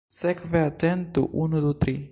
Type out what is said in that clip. Sekve atentu: unu, du, tri!